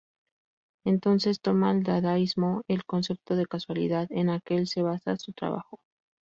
Entonces, toma al Dadaísmo el concepto de casualidad, en aquel se basa su trabajo.